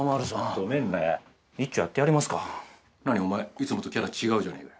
お前いつもとキャラ違うじゃねえか。